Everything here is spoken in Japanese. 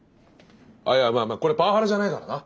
あいやいやまあこれパワハラじゃないからな。